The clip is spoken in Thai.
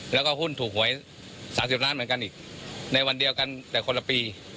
แล้วก็หุ้นถูกหวย๓๐ล้านเหมือนกันอีกในวันเดียวกันแต่คนละปี